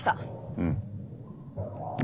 うん。